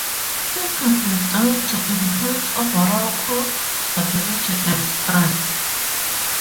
It can be done to enhance overall core stability and strength.